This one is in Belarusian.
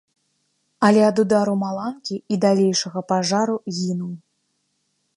Але ад удару маланкі і далейшага пажару гінуў.